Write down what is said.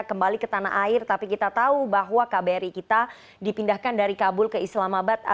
kembali ke tanah air tapi kita tahu bahwa kbri kita dipindahkan dari kabul ke islamabad